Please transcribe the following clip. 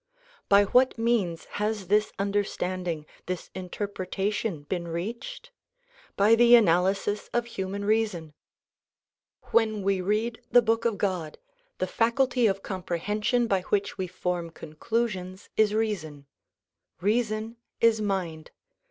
By what means has this understanding, this interpretation been reached ? By the analysis of human reason. When we read the Book of God the faculty of comprehension by which we form conclusions is reason. Reason is mind.